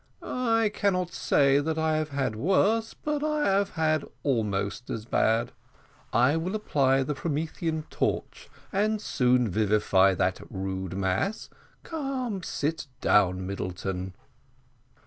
"I cannot say that I have had worse, but I have almost as bad. I will apply the Promethean torch, and soon vivify that rude mass. Come, sit down, Middleton."